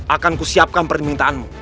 akan ku siapkan permintaanmu